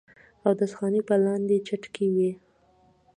اودس خانې پۀ لاندې چت کښې وې